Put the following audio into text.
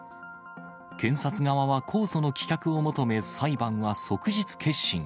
検察側は控訴の棄却を求め、裁判は即日結審。